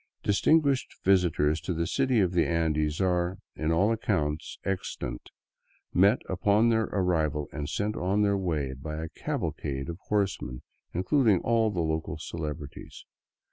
Distinguished visitors to the cities of the Andes are, in all accounts extant, met upon their arrival and sent on their way by a cavalcade of horsemen including all the local celebrities.